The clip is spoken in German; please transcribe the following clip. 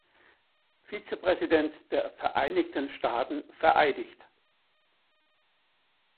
Vizepräsident der Vereinigten Staaten vereidigt.